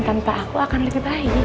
tanpa aku akan lebih baik